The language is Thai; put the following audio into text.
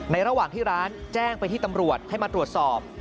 ระหว่างที่ร้านแจ้งไปที่ตำรวจให้มาตรวจสอบ